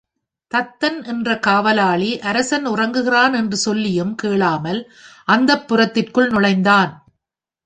தத்தன் என்ற காவலாளி அரசன் உறங்குகிறான் என்று சொல்லியும் கேளாமல் அந்தப்புரத்திற்குள் நுழைந்தான்.